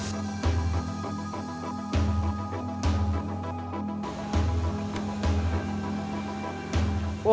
pertama sekali kita akan mulai